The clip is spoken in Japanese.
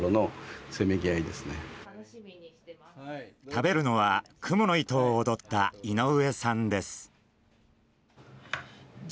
食べるのは「蜘蛛の糸」を踊った井上さんです。